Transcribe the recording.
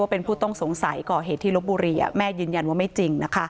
เป็นผู้ต้องสงสัยก่อเหตุที่ลบบุรีแม่ยืนยันว่าไม่จริง